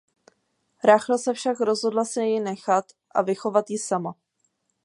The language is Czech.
Rachel se však rozhodla si ji nechat a vychovat ji sama.